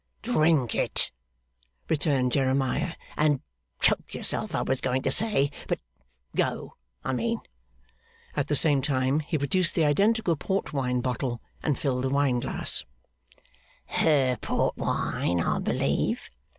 'Drink it!' returned Jeremiah, 'and choke yourself, I was going to say but go, I mean.' At the same time he produced the identical port wine bottle, and filled a wine glass. 'Her port wine, I believe?